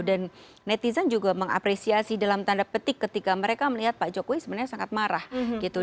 dan netizen juga mengapresiasi dalam tanda petik ketika mereka melihat pak jokowi sebenarnya sangat marah gitu